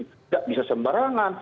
tidak bisa sembarangan